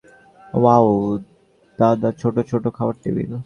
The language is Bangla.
ওয়াও, দাদা, ছোট ছোট খাওয়ার টেবিল?